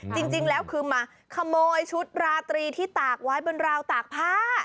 จริงแล้วคือมาขโมยชุดราตรีที่ตากไว้บนราวตากผ้า